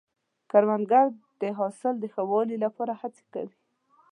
کروندګر د حاصل د ښه والي لپاره هڅې کوي